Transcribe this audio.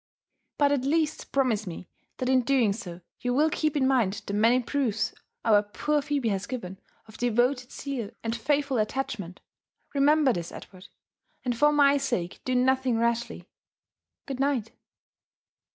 But at least promise me that in doing so you will keep in mind the many proofs our poor Phebe has given of devoted zeal and faithful at tachment— ^remember this, Edward, and for my sake do nothing rashly. — Good night